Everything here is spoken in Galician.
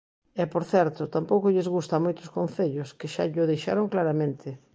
E, por certo, tampouco lles gusta a moitos concellos, que xa llo dixeron claramente.